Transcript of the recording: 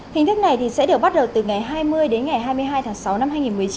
hình thức này sẽ được bắt đầu từ ngày hai mươi đến ngày hai mươi hai tháng sáu năm hai nghìn một mươi chín